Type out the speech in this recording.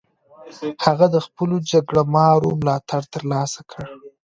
هغه د خپلو جګړه مارو ملاتړ ترلاسه کړ.